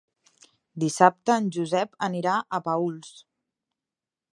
Dissabte en Josep anirà a Paüls.